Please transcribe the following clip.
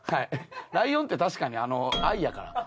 「ライオン」って確かに「Ｉ」やから。